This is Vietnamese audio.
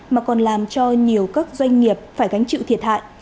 mà còn làm cho nhiều các doanh nghiệp phải gánh chịu thiệt hại